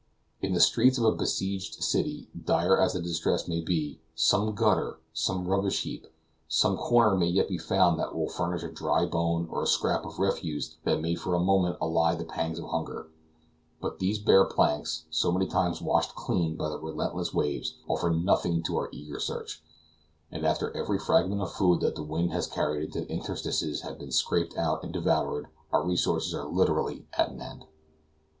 In the streets of a besieged city, dire as the distress may be, some gutter, some rubbish heap, some corner may yet be found that will furnish a dry bone or a scrap of refuse that may for a moment allay the pangs of hunger; but these bare planks, so many times washed clean by the relentless waves, offer nothing to our eager search, and after every fragment of food that the wind has carried into the interstices has been scraped out and devoured, our resources are literally at an end.